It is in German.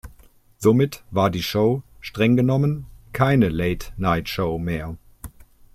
Somit war die Show streng genommen keine Late-Night-Show mehr.